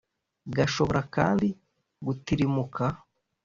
Gashobora kandi gutirimuka